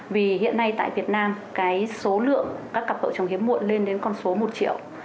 vì hiện nay tại việt nam cái số lượng các cặp vợ chồng hiếm muộn lên đến con số một triệu